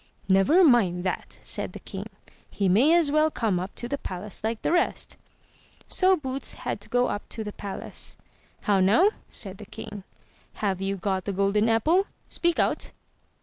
"Never mind that," said the king; "he may as well come up to the palace like the rest." So Boots had to go up to the palace. "How, now," said the king; "have you got the golden apple? Speak out!"